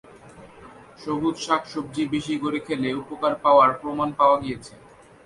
সবুজ শাক-সবজি বেশি করে খেলে উপকার পাওয়ার প্রমাণ পাওয়া গিয়েছে।